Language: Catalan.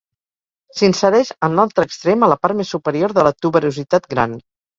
S'insereix en l'altre extrem a la part més superior de la tuberositat gran.